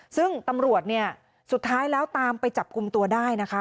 ซึ่งตำรวจเนี่ยสุดท้ายแล้วตามไปจับกลุ่มตัวได้นะคะ